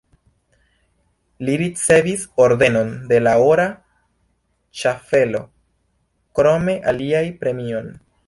Li ricevis Ordenon de la Ora Ŝaffelo, krome alian premion.